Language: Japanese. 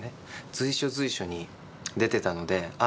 随所随所に出てたのであっ